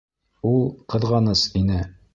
Ул ҡыҙғаныс ине.